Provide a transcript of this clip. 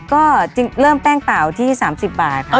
ก็จึงเริ่มแป้งเปล่าที่๓๐บาทค่ะ